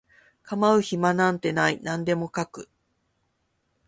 構う暇なんてない何でも描く